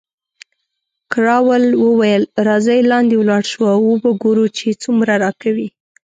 کراول وویل، راځئ لاندې ولاړ شو او وو به ګورو چې څومره راکوي.